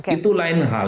itu lain hal